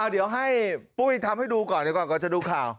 เดี๋ยวให้ปุ้ยทำให้ดูก่อนเดี๋ยวก่อนก่อนจะดูข่าว